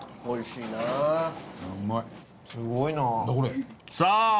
おいしいなぁ。